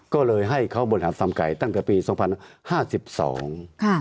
ก็เลยให้เขาบริหารส้มไก่ตั้งแต่ปีสองพันห้าสิบสองค่ะ